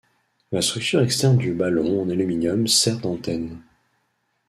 La structure externe du ballon en aluminium sert d'antenne.